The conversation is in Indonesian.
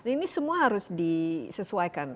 ini semua harus disesuaikan